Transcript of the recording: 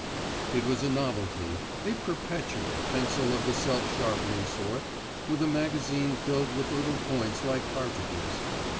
It was a novelty, a "perpetual" pencil of the self sharpening sort, with a magazine filled with little points like cartridges.